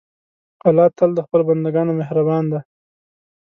الله تل د خپلو بندهګانو مهربان دی.